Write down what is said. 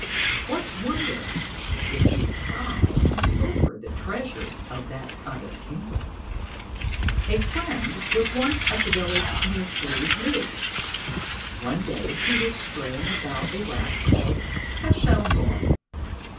What wonder if we try and pilfer the treasures of that other kingdom ! A friend was once at a village near Sleive League. One day he was straying about a rath called ' Cashel Nore.'